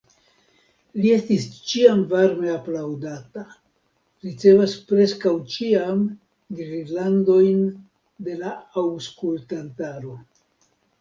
Li estis ĉiam varme aplaŭdata, ricevis preskaŭ ĉiam girlandojn de la aŭskultantaro.